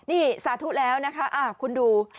นี่สาธุแล้วนะคะคุณดู